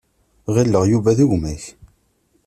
Ɣileɣ Yuba d gma-k.